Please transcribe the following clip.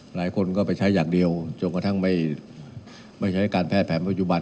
หลายคนก็ไปใช้อย่างเดียวจนกระทั่งไม่ใช้การแพทย์แผนปัจจุบัน